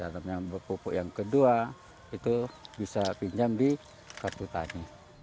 dan yang kedua itu bisa pinjam di kartu tani